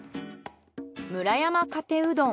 村山かてうどん。